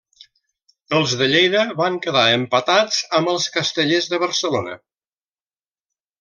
Els de Lleida van quedar empatats amb els Castellers de Barcelona.